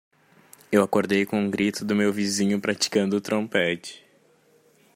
Eu acordei com o grito do meu vizinho praticando trompete.